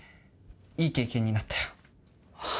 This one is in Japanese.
いい経験になったよ。